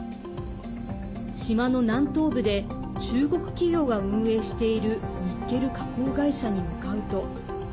島の南東部で中国企業が運営しているニッケル加工会社に向かうと。